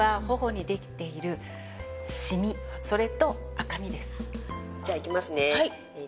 悩みはじゃあいきますね。